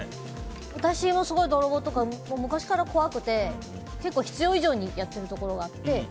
私もすごい泥暴とか昔から怖くて結構、必要以上にやっているところがあって。